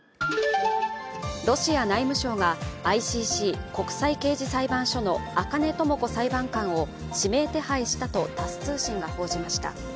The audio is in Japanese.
ロシア内務省がＩＣＣ＝国際刑事裁判所の赤根智子裁判官を指名手配したとタス通信が報じました。